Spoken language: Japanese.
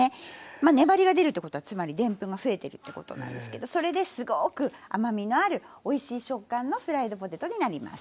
まあ粘りが出るってことはつまりでんぷんが増えてるってことなんですけどそれですごく甘みのあるおいしい食感のフライドポテトになります。